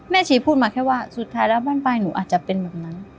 ชีพูดมาแค่ว่าสุดท้ายแล้วบ้านป้ายหนูอาจจะเป็นแบบนั้น